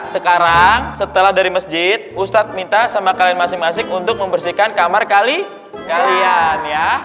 sekarang setelah dari masjid ustadz minta sama kalian masing masing untuk membersihkan kamar kalian ya